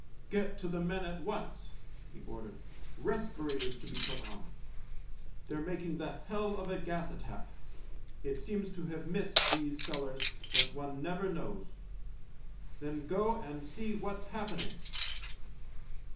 " Get to the men THE LIEUTENANT 49 at once !" he ordered. " Respirators to be put on. They're making the hell of a gas attack. It seems to have missed these cellars, but one never knows. Then go and see what's happening."